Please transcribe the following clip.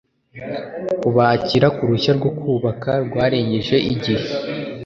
Kubakira ku ruhushya rwo kubaka rwarengeje igihe